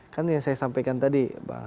kan yang saya sampaikan tadi